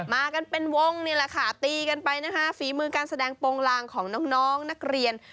มากันเป็นวงนี่แหละค่ะตีกันไปนะคะฝีมือการแสดงโปรงลางของน้องนักเรียน